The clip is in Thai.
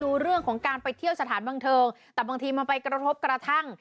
ดูเรื่องของการไปเที่ยวสถานบันเทิงแต่บางทีมันไปกระทบกระทั่ง